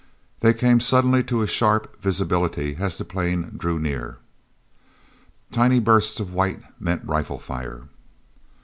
They came suddenly to sharp visibility as the plane drew near. Tiny bursts of white meant rifle fire.